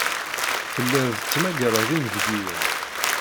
Telliḍ tettmagareḍ inebgiwen.